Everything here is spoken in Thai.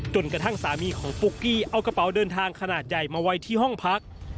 สามีของปุ๊กกี้เอากระเป๋าเดินทางขนาดใหญ่มาไว้ที่ห้องพัก